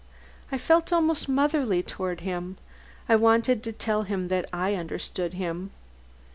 I felt almost motherly toward him: I wanted to tell him that I understood him.